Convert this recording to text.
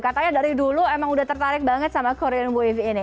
katanya dari dulu emang udah tertarik banget sama korean wave ini